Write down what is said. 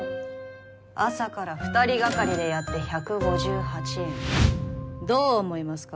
朝から二人がかりでやって１５８円どう思いますか？